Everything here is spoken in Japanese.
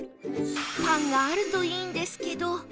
パンがあるといいんですけど